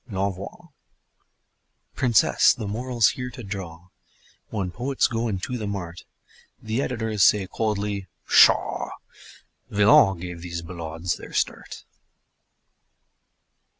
L'ENVOI Princess, the moral's here to draw: When poets go into the mart The editors say coldly: "Pshaw! Villon gave these ballades their start."